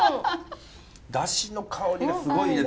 だしの香りがすごいいいですね。